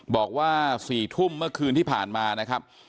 บอกว่า๔ทุ่มเมื่อคืนที่ผ่านมานะครับ